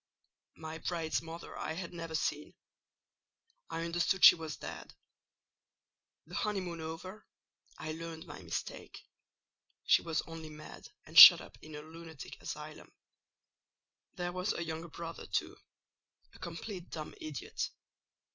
"My bride's mother I had never seen: I understood she was dead. The honeymoon over, I learned my mistake; she was only mad, and shut up in a lunatic asylum. There was a younger brother, too—a complete dumb idiot.